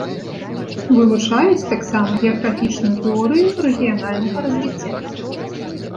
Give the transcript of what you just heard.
Вылучаюць таксама геаграфічную тэорыю рэгіянальнага развіцця.